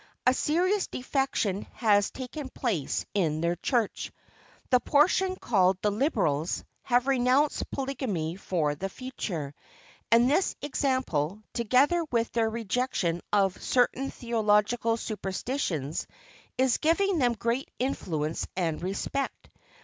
A serious defection has taken place in their church. The portion called the "Liberals" have renounced polygamy for the future; and this example, together with their rejection of certain theological superstitions, is giving them great influence and respect.